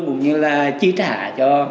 cũng như là trí trả cho